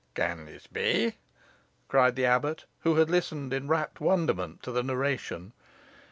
"Can this be?" cried the abbot, who had listened in rapt wonderment to the narration.